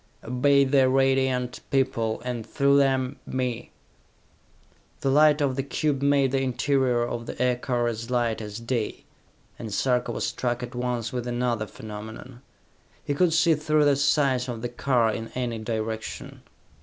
"Obey the Radiant People, and through them, me!" The light of the cube made the interior of the aircar as light as day, and Sarka was struck at once with another phenomenon. He could see through the sides of the car in any direction.